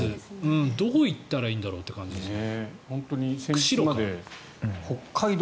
どこに行ったらいいんだろうという感じですね。